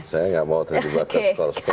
saya nggak mau terlibatkan skor skor